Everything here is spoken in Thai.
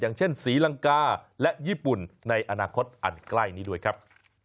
อย่างเช่นศรีลังกาและญี่ปุ่นในอนาคตอันใกล้นี้ด้วยครับ